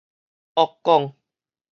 僫講